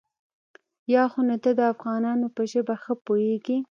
بيا خو نو ته د افغانانو په ژبه ښه پوېېږې.